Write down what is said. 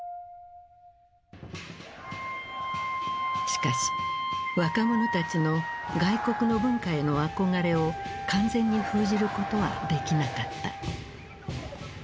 しかし若者たちの外国の文化への憧れを完全に封じることはできなかった。